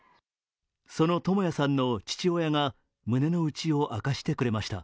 その智也さんの父親が胸の内を明かしてくれました。